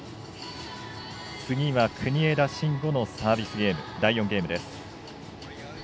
次は国枝慎吾のサービスゲーム第４ゲームです。